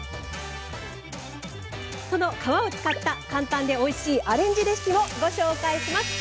その皮を使った、簡単でおいしいアレンジレシピもご紹介します。